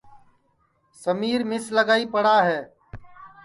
سمِیر مِس لگائی پڑا ہے